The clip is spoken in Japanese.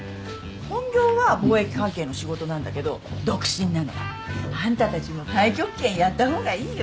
本業は貿易関係の仕事なんだけど独身なの。あんたたちも太極拳やった方がいいよ。